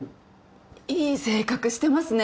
いい性格してますね。